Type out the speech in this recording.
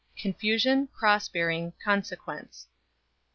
CONFUSION CROSS BEARING CONSEQUENCE.